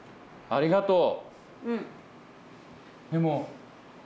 ありがとう。